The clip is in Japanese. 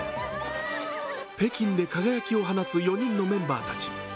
北京で輝きを放つ４人のメンバーたち。